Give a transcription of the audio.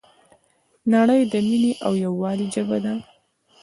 نړۍ د مینې او یووالي ژبه ده.